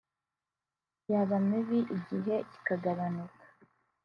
yaba mibi igihe kikagabanuka